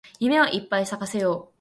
夢をいっぱい咲かせよう